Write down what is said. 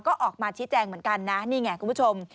ก็ออกมาชี้แจงเหมือนกันนะนี่ไงคุณผู้ชม